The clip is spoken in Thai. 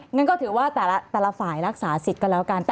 งั้นก็ถือว่าแต่ละฝ่ายรักษาสิทธิ์กันแล้วกัน